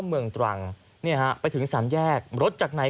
เมืองตรังเนี่ยฮะไปถึงสามแยกรถจากไหน